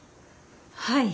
はい。